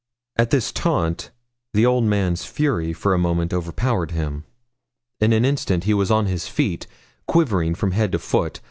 At this taunt the old man's fury for a moment overpowered him. In an instant he was on his feet, quivering from head to foot.